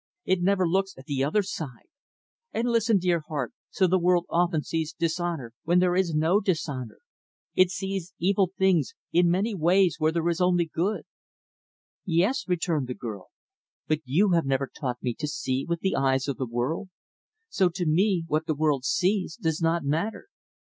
It never looks at the other side. And listen, dear heart, so the world often sees dishonor where there is no dishonor It sees evil in many things where there is only good." "Yes," returned the girl, "but you have never taught me to see with the eyes of the world. So, to me, what the world sees, does not matter."